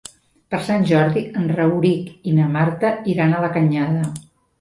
Per Sant Jordi en Rauric i na Marta iran a la Canyada.